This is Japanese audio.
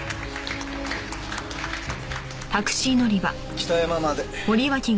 北山まで。